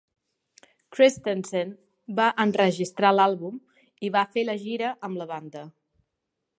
Christensen va enregistrar l'àlbum i va fer la gira amb la banda.